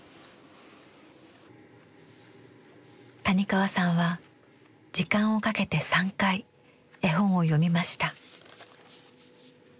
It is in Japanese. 谷川さんは時間をかけて３回絵本を読みました。